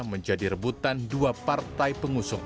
menjadi rebutan dua partai pengusung